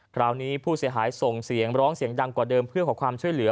คราวนี้ผู้เสียหายส่งเสียงร้องเสียงดังกว่าเดิมเพื่อขอความช่วยเหลือ